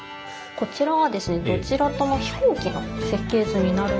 こちらはですねどちらとも飛行機の設計図になるんですけれども。